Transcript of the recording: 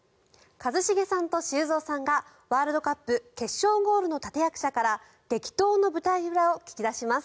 一茂さんと修造さんがワールドカップ決勝ゴールの立役者から激闘の舞台裏を聞き出します。